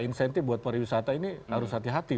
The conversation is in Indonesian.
insentif buat pariwisata ini harus hati hati